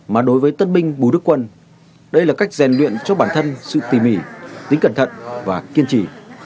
mà đối với tân binh bùi đức quân đây là cách rèn luyện cho bản thân sự tỉ mỉ tính cẩn thận và kiên trì